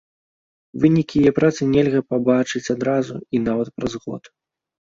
Вынікі яе працы нельга пабачыць адразу, і нават праз год.